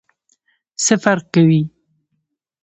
څه فرق کوي ؟